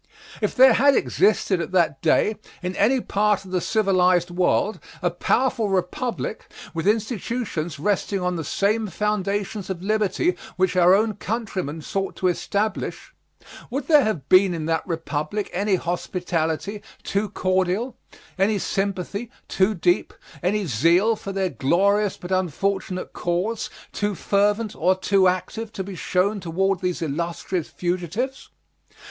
If there had existed at that day, in any part of the civilized world, a powerful Republic, with institutions resting on the same foundations of liberty which our own countrymen sought to establish, would there have been in that Republic any hospitality too cordial, any sympathy too deep, any zeal for their glorious but unfortunate cause, too fervent or too active to be shown toward these illustrious fugitives?